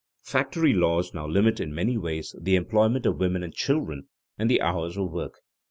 _Factory laws now limit in many ways the employment of women and children, and the hours of work.